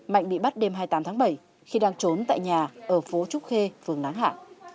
mạnh bị bắt đêm hai mươi tám tháng bảy khi đang trốn tại nhà ở phố trúc khê phường láng hạ